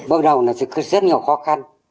bắt đầu là rất nhiều khó khăn